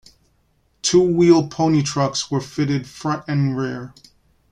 Two-wheel pony trucks were fitted front and rear.